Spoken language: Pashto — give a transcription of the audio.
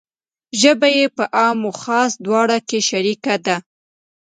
ژبه یې په عام و خاص دواړو کې شریکه ده.